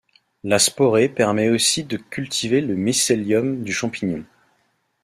La sporée permet aussi de cultiver le mycélium du champignon.